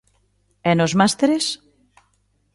E nos másteres?